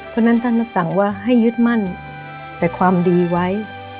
เพราะฉะนั้นท่านรับสั่งว่าให้ยึดมั่นแต่ความดีไว้